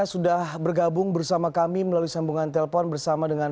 sudah bergabung bersama kami melalui sambungan telepon bersama dengan